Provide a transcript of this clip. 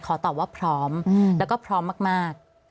ขอตอบว่าพร้อมแล้วก็พร้อมมาก